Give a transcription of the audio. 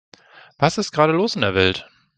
Was ist gerade los in der Welt?